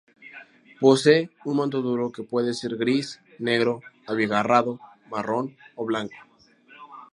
Posee un manto duro que puede ser gris, negro, abigarrado, marrón o blanco.